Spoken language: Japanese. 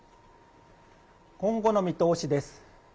今後の見通しです。